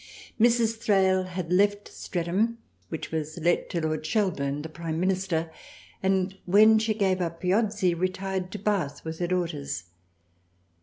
Mrs. Thrale had left Streatham, which was let to Lord Shelburne, the Prime Minister, and when she gave up Piozzi retired to Bath with her daughters.